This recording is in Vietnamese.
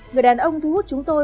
người đàn ông thu hút chúng tôi